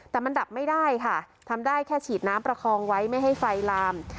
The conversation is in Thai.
แต่มันดับไม่ได้ค่ะทำได้แค่ฉีดน้ำประคองไว้ไม่ให้ไฟลาม